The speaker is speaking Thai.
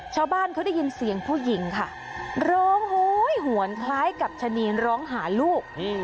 ชาวบ้านเขาได้ยินเสียงผู้หญิงค่ะร้องโหยหวนคล้ายกับชะนีร้องหาลูก